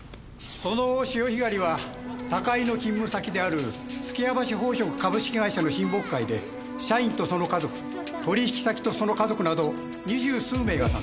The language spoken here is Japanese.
その潮干狩りは高井の勤務先である数寄屋橋宝飾株式会社の親睦会で社員とその家族取引先とその家族など二十数名が参加。